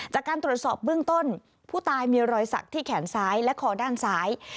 จากการตรวจสอบเบื้องต้นผู้ตายมีรอยสักที่แขนซ้ายและคอด้านซ้าย